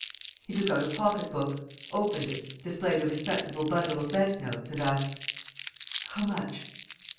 He took out a pocket book, opened it, displayed a respectable bundle of bank notes and asked: "How much?"